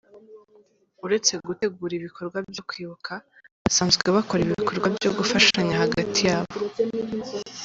Uretse gutegura ibikorwa byo kwibuka, basanzwe bakora ibikorwa byo gufashanya hagati yabo.